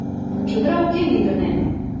Чодыра уке мӱндырнӧ.